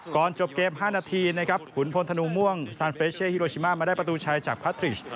ก่อนจบเกม๕นาทีนะครับขุนพลธนูม่วงซานเฟรเช่ฮิโรชิมามาได้ประตูชัยจากพาทริช